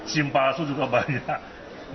sim palsu juga banyak